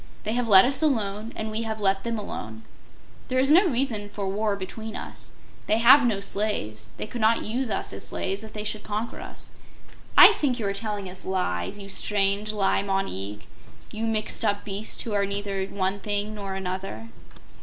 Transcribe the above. They have let us alone, and we have let them alone. There is no reason for war between us. They have no slaves. They could not use us as slaves if they should conquer us. I think you are telling us lies, you strange Li Mon Eag you mixed up beast who are neither one thing nor another."